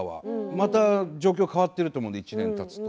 また状況が変わっていると思うので１年たつと。